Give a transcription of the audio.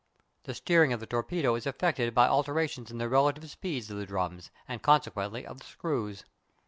The steering of the torpedo is effected by alterations in the relative speeds of the drums, and consequently of the screws.